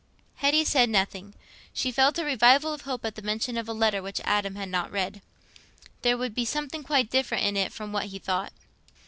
Hetty said nothing; she felt a revival of hope at the mention of a letter which Adam had not read. There would be something quite different in it from what he thought.